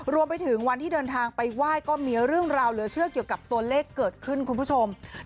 รวมไปถึงวันที่เดินทางไปไหว้ก็มีเรื่องราวเหลือเชื่อเกี่ยวกับตัวเลขเกิดขึ้นคุณผู้ชม